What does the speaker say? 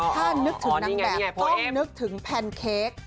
ถ้านึกถึงนางแบบต้องนึกถึงแพนเค้ก